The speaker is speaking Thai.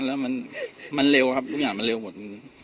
แล้วมันเร็วครับทุกอย่างมันเร็วหมด